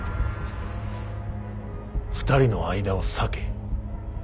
２人の間を裂け。